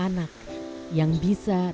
dan tidak bisa mengurus ibu secara langsung